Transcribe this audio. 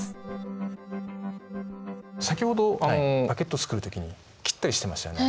先ほどパケット作る時に切ったりしてましたよね。